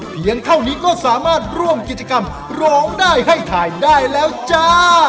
เพียงเท่านี้ก็สามารถร่วมกิจกรรมร้องได้ให้ถ่ายได้แล้วจ้า